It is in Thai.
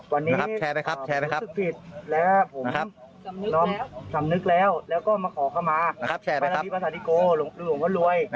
วันนี้ผมรู้สึกผิดและผมน้องทำนึกแล้วและก็มาขอเข้ามาบรรณภิปศาสตริโกหลวงพ่อรวย